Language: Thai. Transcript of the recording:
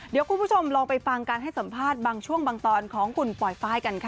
เดี๋ยวคุณผู้ชมลองไปฟังการให้สัมภาษณ์บางช่วงบางตอนของคุณปลอยไฟล์กันค่ะ